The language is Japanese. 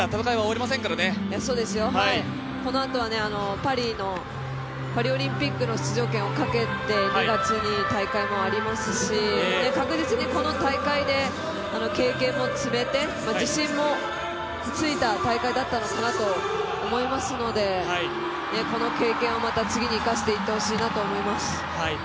このあとはパリオリンピックの出場権をかけて２月に大会もありますし、確実にこの大会で経験も積めて自信もついた大会だったのかなと思いますので、この経験をまた次に生かしていってほしいなと思います。